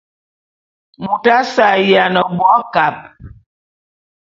Mot asse a’ayiana bo akab.